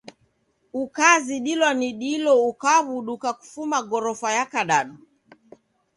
Ukazidilwa ni dilo ukabuduka kufuma gorofa ya kadadu.